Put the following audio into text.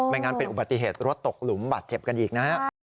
งั้นเป็นอุบัติเหตุรถตกหลุมบาดเจ็บกันอีกนะฮะ